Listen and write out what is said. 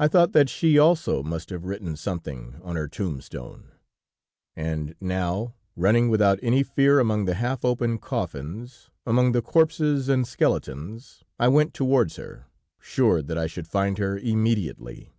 "I thought that she also must have written something on her tombstone, and now, running without any fear among the half open coffins, among the corpses and skeletons, I went towards her, sure that I should find her immediately.